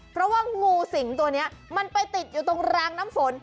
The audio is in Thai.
เพราะว่างูสิงตัวนี้มันไปติดอยู่ตรงรางน้ำฝน